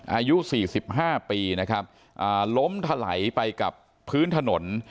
อายุสี่สิบห้าปีนะครับอ่าล้มถลัยไปกับพื้นถนน